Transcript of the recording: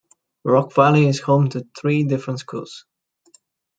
Rock Valley is home to three different schools.